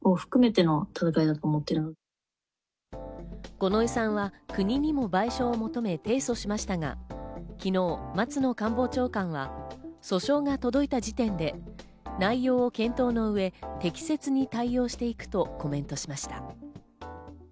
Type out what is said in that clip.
五ノ井さんは国にも賠償を求め提訴しましたが、昨日、松野官房長官は、訴状が届いた時点で内容を検討の上、適切に対応していくとコメントしました。